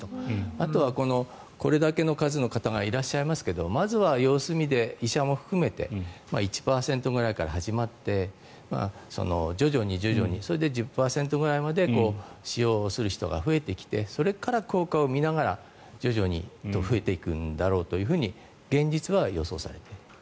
あとは、これだけの数の方がいらっしゃいますけどまずは様子見で医者も含めて１％ぐらいから始まって徐々に徐々にそれで１０％ぐらいまで使用する人が増えてきてそれから効果を見ながら徐々に増えていくんだろうと現実は予想されています。